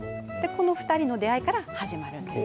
この２人の出会いから始まります。